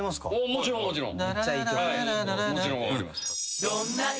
もちろんもちろん。